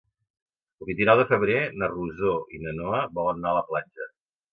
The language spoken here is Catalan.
El vint-i-nou de febrer na Rosó i na Noa volen anar a la platja.